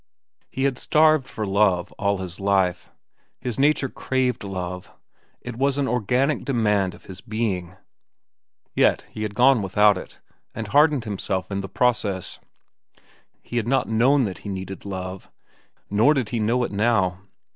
He had starved for love all his life. His nature craved love. It was an organic demand of his being. Yet he had gone without, and hardened himself in the process. He had not known that he needed love. Nor did he know it now.